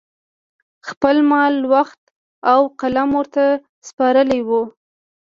خپل مال، وخت او قلم ورته سپارلي وو